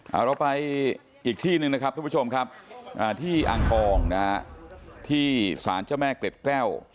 เอาเรากันไปอีกที่หนึ่งที่อักองที่สาญเจ้าแม่เกล็ดแก้ว